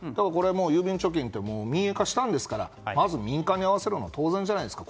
郵便貯金って民営化したのだから民間に合わせるのは当然じゃないですか。